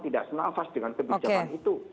tidak senafas dengan kebijakan itu